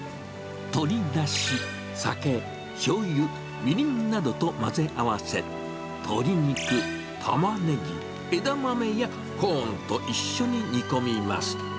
鶏だし、酒、しょうゆ、みりんなどと混ぜ合わせ、鶏肉、タマネギ、枝豆やコーンと一緒に煮込みます。